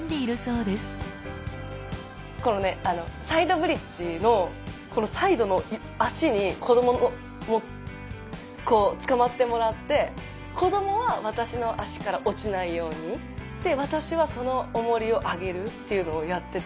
このサイドブリッジのこのサイドの脚に子どもにこうつかまってもらって子どもは私の脚から落ちないように私はそのおもりを上げるっていうのをやってて。